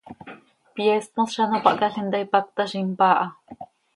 Pyeest mos z ano pahcaalim ta, ipacta z impaa ha.